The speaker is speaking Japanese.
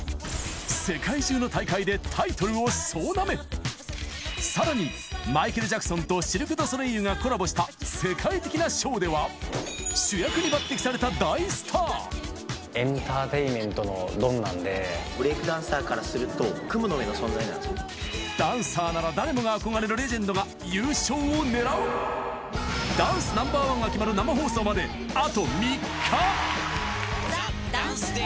世界中の大会でタイトルを総なめさらにマイケル・ジャクソンとシルク・ドゥ・ソレイユがコラボした世界的なショーではダンサーなら誰もが憧れるダンスＮｏ．１が決まる生放送まであと３日『ＴＨＥＤＡＮＣＥＤＡＹ』。